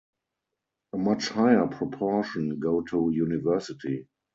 A much higher proportion go to university.